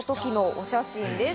お写真です。